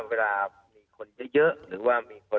เวลามีคนเยอะ